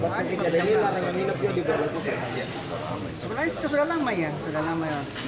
sebenarnya sudah lama ya sudah lama